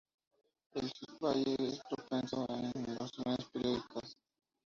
El valle es propenso a inundaciones periódicas.